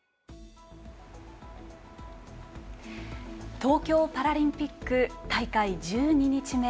東京パラリンピック大会１２日目。